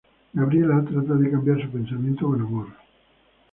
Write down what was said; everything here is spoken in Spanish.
Gabriela trata de cambiar su pensamiento con amor.